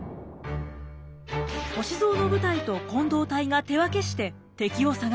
歳三の部隊と近藤隊が手分けして敵を探します。